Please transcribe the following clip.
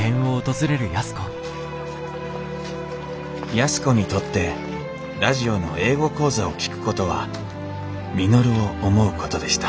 安子にとってラジオの英語講座を聴くことは稔を思うことでした。